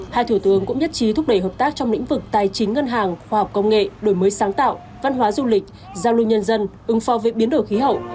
hai thủ tướng cũng nhất trí thúc đẩy hợp tác trong lĩnh vực tài chính ngân hàng khoa học công nghệ đổi mới sáng tạo văn hóa du lịch giao lưu nhân dân ứng phó với biến đổi khí hậu